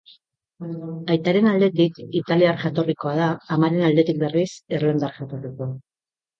Aitaren aldetik, italiar jatorrikoa da, amaren aldetik berriz, irlandar jatorrikoa.